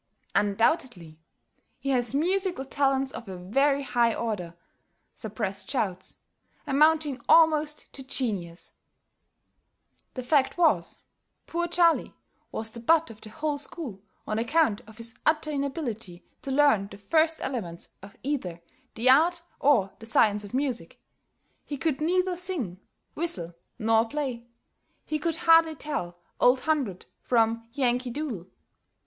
"Undoubtedly. He has musical talents of a very high order [suppressed shouts] amounting almost to genius!" The fact was, poor Charlie was the butt of the whole school, on account of his utter inability to learn the first elements of either the art or the science of music. He could neither sing, whistle, nor play. He could hardly tell "Old Hundred" from "Yankee Doodle."